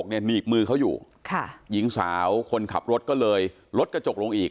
หนีบมือเขาอยู่หญิงสาวคนขับรถก็เลยลดกระจกลงอีก